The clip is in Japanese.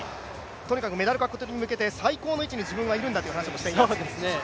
とにかくメダル獲得に向けて最高の位置に自分はいるんだといっています。